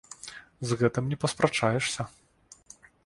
З гэтым не паспрачаешся.